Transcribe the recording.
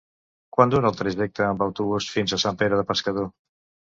Quant dura el trajecte en autobús fins a Sant Pere Pescador?